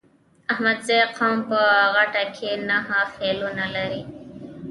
احمدزی قوم په غټه کې نهه خيلونه لري.